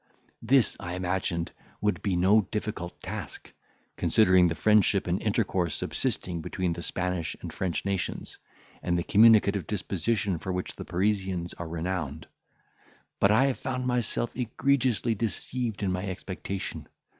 This, I imagined, would be no difficult task, considering the friendship and intercourse subsisting between the Spanish and French nations, and the communicative disposition for which the Parisians are renowned; but I have found myself egregiously deceived in my expectation.